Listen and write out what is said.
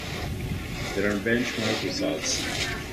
There are benchmark results.